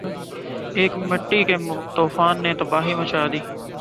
ایک مٹی کے طوفان نے تباہی مچا دی